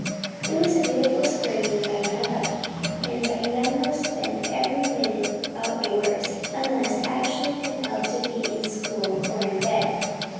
It was a beautiful spring in Granada, and Fernando spent every minute out of doors unless actually compelled to be in school or in bed.